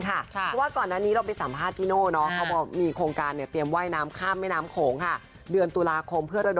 ก็ต้องทำแบบค่อนข้างจะแรงอยู่เหมือนกัน